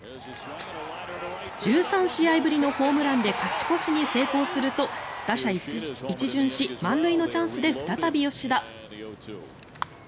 １３試合ぶりのホームランで勝ち越しに成功すると打者一巡し、満塁のチャンスで再び吉田。